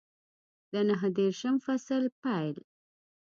د نهه دېرشم فصل پیل